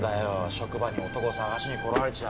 職場に男探しに来られちゃ。